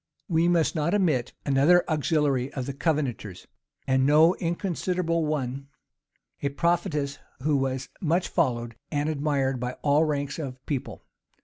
We must not omit another auxiliary of the Covenanters and no inconsiderable one; a prophetess, who was much followed and admired by all ranks of people.